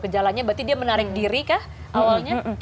gejalanya berarti dia menarik diri kah awalnya